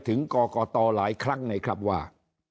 ถึงกรกตหลายครั้งไงครับว่า